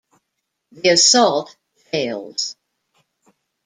The assault fails.